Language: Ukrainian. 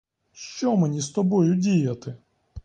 Що мені з тобою діяти!